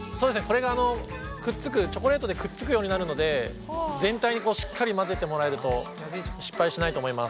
これがくっつくチョコレートでくっつくようになるので全体にしっかり混ぜてもらえると失敗しないと思います。